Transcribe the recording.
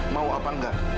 mau apa nggak